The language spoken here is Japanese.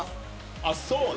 あっ、そうね。